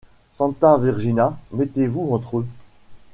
Santa Virgina ! mettez-vous entre eux.